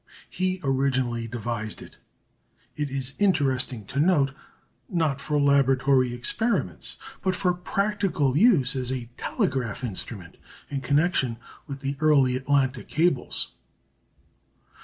He originally devised it, it is interesting to note, not for laboratory experiments, but for practical use as a telegraph instrument in connection with the early Atlantic cables.